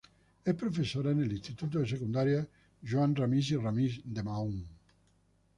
Es profesora en el instituto de Secundaria Joan Ramis i Ramis de Mahón.